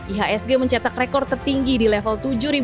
ihsg mencetak rekor tertinggi di level tujuh tiga ratus enam puluh tiga